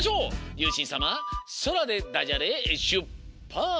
ゆうしんさま「そら」でダジャレしゅっぱつ！